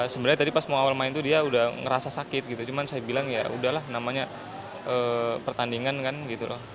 sebenarnya tadi pas mau awal main tuh dia udah ngerasa sakit gitu cuman saya bilang ya udahlah namanya pertandingan kan gitu loh